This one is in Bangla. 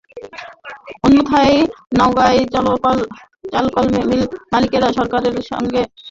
অন্যথায় নওগাঁর চালকল মালিকেরা সরকারের সঙ্গে চাল সরবরাহের চুক্তি সম্পাদন করবেন না।